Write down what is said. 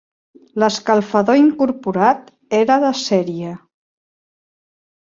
L'escalfador incorporat era de sèrie.